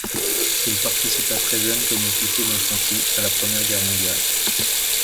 Il participa très jeune comme officier d'infanterie à la Première Guerre mondiale.